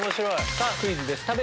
さぁクイズです。